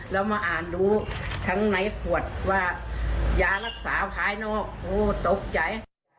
แล้วมาอ่านรู้ทั้งในขวดว่ายารักษาภายนอกโอ้ตกใจ